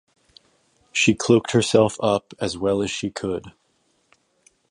She cloaked herself up as well as she could.